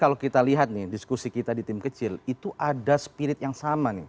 kalau kita lihat nih diskusi kita di tim kecil itu ada spirit yang sama nih